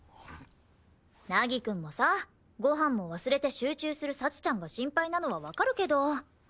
凪くんもさご飯も忘れて集中する幸ちゃんが心配なのはわかるけど。